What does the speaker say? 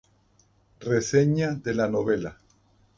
Reseña de la novela